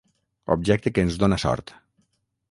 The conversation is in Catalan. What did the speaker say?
Objecte que ens dóna sort.